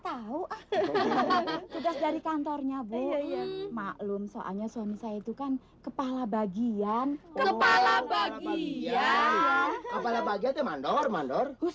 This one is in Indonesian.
tahu hahaha dari kantornya bu maklum soalnya suami saya itu kan kepala bagian kepala bagian